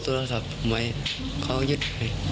เขาเอาโทรศัพท์ผมไว้เขายึดให้